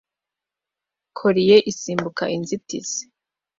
Collie isimbuka inzitizi